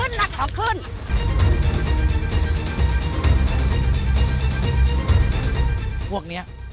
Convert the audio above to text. เราจะกลับไปเปิดแล้วจริง